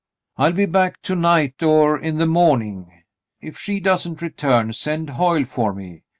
"I'll be back to night or in the morning. If she doesn't return, send Hoyle for me.